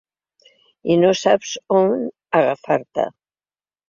I no saps on agafar-te.